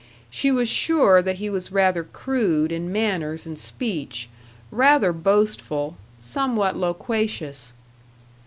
She was sure that he was rather crude in manners and speech, rather boastful, somewhat loquacious.